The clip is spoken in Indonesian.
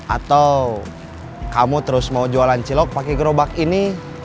atau kamu terus mau jualan cilok pakai gerobak ini